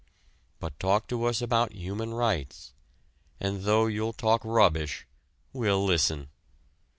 But talk to us about "human rights," and though you talk rubbish, we'll listen.